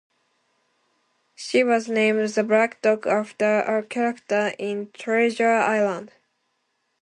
She was named The Black Dog after a character in "Treasure Island".